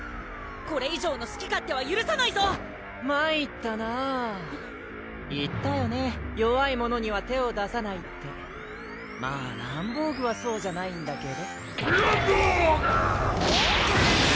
これ以上のすき勝手はゆるさないぞまいったなぁ言ったよね弱いものには手を出さないってまぁランボーグはそうじゃないんだけどランボーグ！